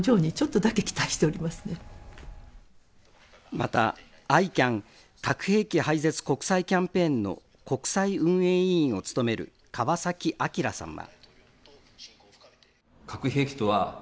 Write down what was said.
またＩＣＡＮ・核兵器廃絶国際キャンペーンの国際運営委員を務める川崎哲さんは。